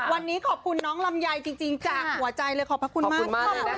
วันนี้ขอบคุณน้องลำไยจริงจากหัวใจเลยขอบพระคุณมากค่ะ